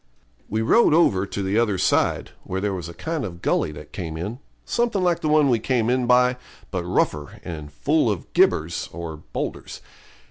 We rode over to the other side, where there was a kind of gully that came in, something like the one we came in by, but rougher, and full of gibbers (boulders).